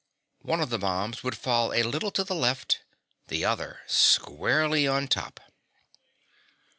One of the bombs would fall a little to the left. The other squarely on top!